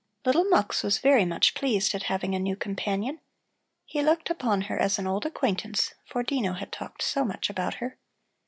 Little Mux was very much pleased at having a new companion. He looked upon her as an old acquaintance, for Dino had talked so much about her.